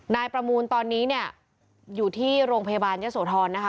ประมูลตอนนี้เนี่ยอยู่ที่โรงพยาบาลยะโสธรนะคะ